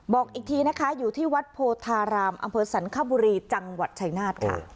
บอกอีกทีนะคะอยู่ที่วัดโพธารามอำเภอสันคบุรีจังหวัดชายนาฏค่ะ